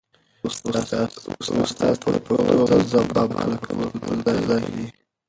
استاد ته د پښتو د غزل د بابا لقب ورکول په ځای دي.